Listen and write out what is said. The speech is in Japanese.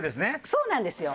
そうなんですよ！